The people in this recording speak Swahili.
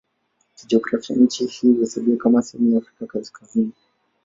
Kijiografia nchi hii huhesabiwa kama sehemu ya Afrika ya Kaskazini.